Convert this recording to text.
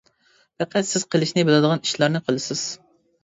پەقەت سىز قىلىشنى بىلىدىغان ئىشلارنى قىلىسىز.